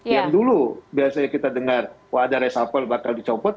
yang dulu biasanya kita dengar wah ada resapel bakal dicopot